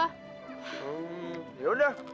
hmm ya udah